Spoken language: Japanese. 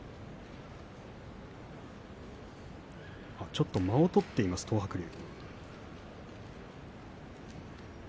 ちょっと間を取っています東白龍。